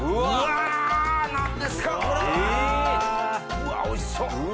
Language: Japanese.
うわおいしそう。